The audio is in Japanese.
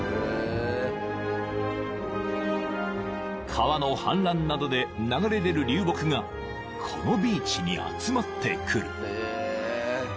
［川の氾濫などで流れ出る流木がこのビーチに集まってくる］